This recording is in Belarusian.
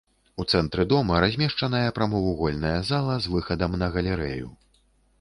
У цэнтры дома размешчаная прамавугольная зала з выхадам на галерэю.